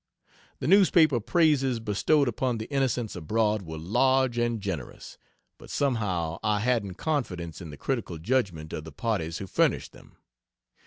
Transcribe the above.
The newspaper praises bestowed upon the "Innocents Abroad" were large and generous, but somehow I hadn't confidence in the critical judgement of the parties who furnished them.